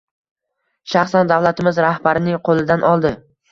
Shaxsan davlatimiz rahbarining qoʻlidan oldi